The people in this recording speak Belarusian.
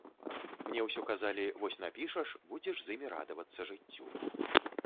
Мне ўсё казалі, вось напішаш, будзеш з імі радавацца жыццю.